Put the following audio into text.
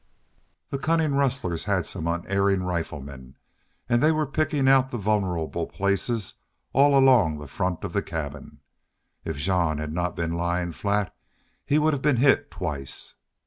The cunning rustlers had some unerring riflemen and they were picking out the vulnerable places all along the front of the cabin. If Jean had not been lying flat he would have been hit twice.